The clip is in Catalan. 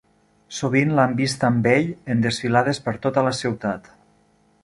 Sovint l'han vista amb ell en desfilades per tota la ciutat.